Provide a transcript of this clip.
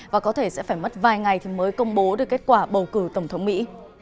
và có thể sẽ phải mất vài ngày thì mới công bố được kết quả bầu cử tổng thống mỹ